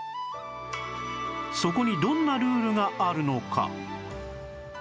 そこにどんなルールがあるのか？